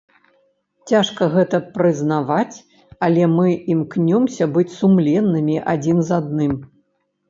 Цяжка гэта прызнаваць, але мы імкнёмся быць сумленнымі адзін з адным.